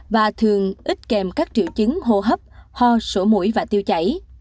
và thường ít kèm các triệu chứng hô hấp ho sổ mũi và tiêu chảy